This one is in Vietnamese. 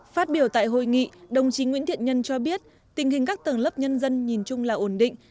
phát biểu tại hội nghị đồng chí nguyễn thiện nhân cho biết tình hình các tầng lớp nhân dân nhìn chung là ổn định